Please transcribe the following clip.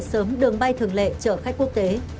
sớm đường bay thường lệ chở khách quốc tế